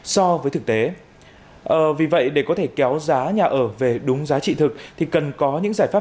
so với thực tế vì vậy để có thể kéo giá nhà ở về đúng giá trị thực thì cần có những giải pháp